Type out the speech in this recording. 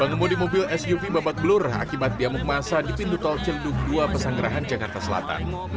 pengemudi mobil suv babat belur akibat diamuk masa di pintu tol cenduk dua pesanggerahan jakarta selatan